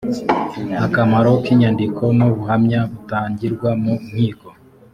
v akamaro k inyandiko n ubuhamya butangirwa mu nkiko